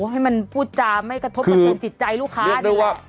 ให้มันพูดจ่าไม่กระทบกับจิตใจลูกค้านี่แหละ